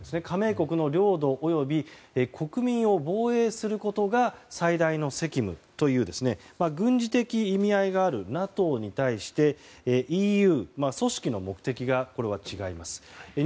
加盟国の領土、および国民を防衛することが最大の責務という軍事的意味合いがあるＮＡＴＯに対してＥＵは組織の目的が違います。